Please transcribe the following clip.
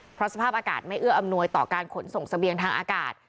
เพราะสภาพอากาศไม่เอื้ออำนวยต่อการขนส่งเสบียงทางอากาศ